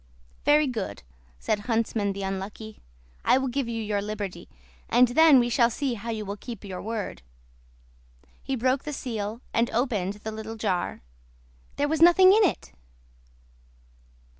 "Very good," said Huntsman the Unlucky; "I will give you your liberty, and then we shall see how you will keep your word." He broke the seal and opened the little jar—there was nothing in it!